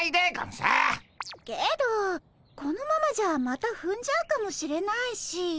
けどこのままじゃまたふんじゃうかもしれないし。